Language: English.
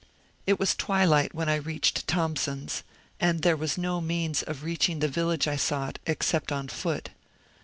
It was twilight when I reached ^^Thomp son's," and there was no means of reaching the village I sought except on foot.